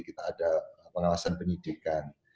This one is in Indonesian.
kita ada pengawasan penyidikan